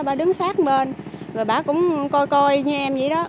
bà đứng sát bên rồi bà cũng coi coi như em vậy đó